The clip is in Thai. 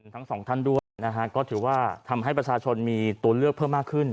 ทั้งสองท่านด้วยนะฮะก็ถือว่าทำให้ประชาชนมีตัวเลือกเพิ่มมากขึ้น